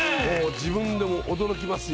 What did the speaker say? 自分でも驚きますよ。